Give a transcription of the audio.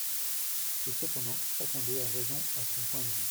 Et, cependant, chacun d’eux a raison à son point de vue.